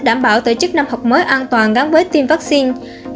đảm bảo tổ chức năm học mới an toàn gắn với tiêm vaccine